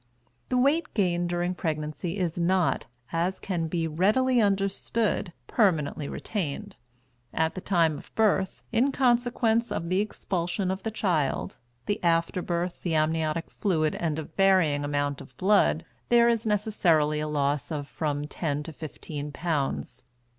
The weight gained during pregnancy is not, as can be readily understood, permanently retained. At the time of birth, in consequence of the expulsion of the child, the after birth, the amniotic fluid, and a varying amount of blood, there is necessarily a loss of from ten to fifteen pounds.